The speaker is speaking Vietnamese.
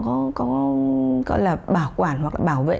gọi là bảo quản hoặc là bảo vệ